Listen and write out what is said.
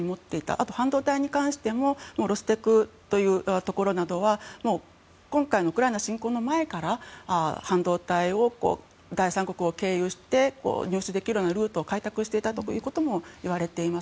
あと、半導体に関してもロステクというところは今回のウクライナ侵攻の前から半導体を第三国を経由して入手できるようなルートを開拓していたということもいわれています。